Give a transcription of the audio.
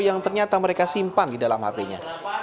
yang ternyata mereka simpan di dalam hp nya